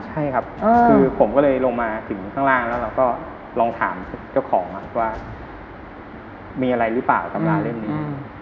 ใช่ครับคือผมก็เลยลงมาถึงข้างล่างแล้วเราก็ลองถามเจ้าของว่ามีอะไรหรือเปล่าตำราเล่มนี้